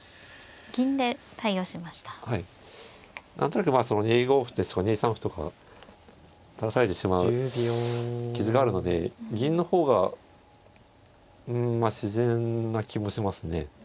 何となく２五歩ですとか２三歩とか垂らされてしまう傷があるので銀の方が自然な気もしますね。